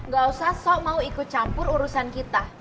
gak usah sok mau ikut campur urusan kita